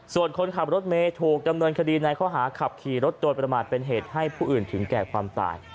ส่วนคนขับรถเมย์ถูกดำเนินคดีในข้อหาขับขี่รถโดยประมาทเป็นเหตุให้ผู้อื่นถึงแก่ความตาย